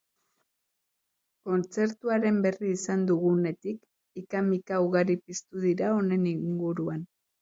Kontzertuaren berri izan dugunetik, hika-mika ugari piztu dira honen inguruan.